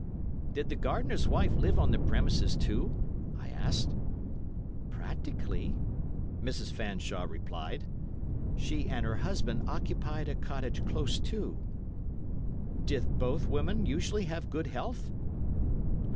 "Did the gardener's wife live on the premises, too?" I asked. "Practically," Mrs. Fanshawe replied. "She and her husband occupied a cottage close to." "Did both women usually have good health?"